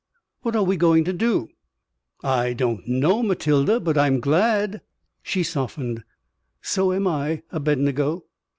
What are we going to do?" "I don't know, Matilda. But I'm glad." She softened. "So am I, Abednego."